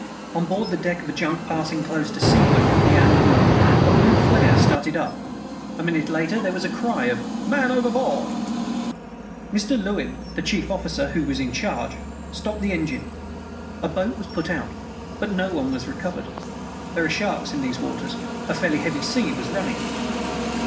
On board the deck of a junk passing close to seaward of the Andaman a blue flare started up. A minute later there was a cry of "Man overboard!" "'Mr. Lewin, the chief officer, who was in charge, stopped the engines. A boat was put out. But no one was recovered. There are sharks in these waters. A fairly heavy sea was running.